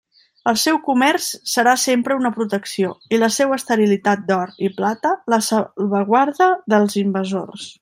El seu comerç serà sempre una protecció, i la seua esterilitat d'or i plata la salvaguarda dels invasors.